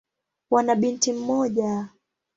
Wana binti mmoja.